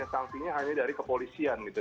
sanksinya hanya dari kepolisian gitu